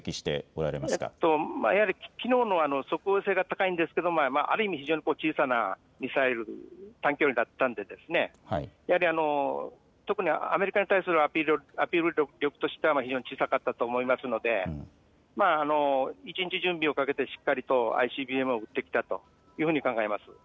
いわゆる機能の即応性が高いんですけど、ある意味、非常に小さなミサイル、短距離だったんで、やはり特にアメリカに対するアピール力としては非常に小さかったと思いますので、一日準備をかけてしっかりとＩＣＢＭを撃ってきたというふうに考えます。